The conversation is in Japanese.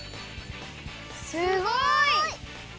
すごい！